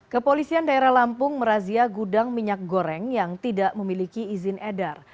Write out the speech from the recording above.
kepolisian daerah lampung merazia gudang minyak goreng yang tidak memiliki izin edar